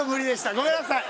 ごめんなさい！